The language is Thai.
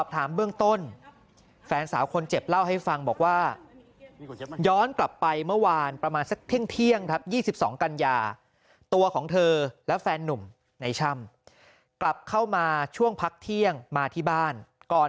แล้วแฟนหนุ่มในช่ำกลับเข้ามาช่วงพักเที่ยงมาที่บ้านก่อน